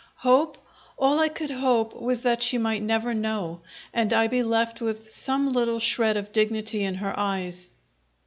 Hope? All I could hope was that she might never know, and I be left with some little shred of dignity in her eyes!